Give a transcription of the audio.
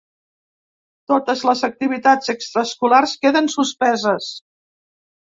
Totes les activitats extraescolars queden suspeses.